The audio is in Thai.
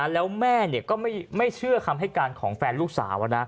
แล้วแม่ก็ไม่เชื่อคำให้การของแฟนลูกสาว